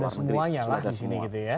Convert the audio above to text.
karena sudah ada semuanya lah di sini gitu ya